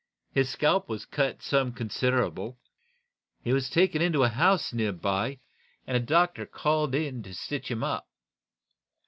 His scalp was cut some considerable. He was taken into a house nearby, and a doctor called in to stitch him up.